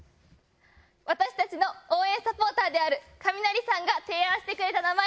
私たちの応援サポーターであるカミナリさんが提案してくれた名前